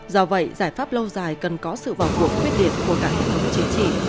do vậy giải pháp lâu dài cần có sự vào cuộc quyết liệt của cả hệ thống chính trị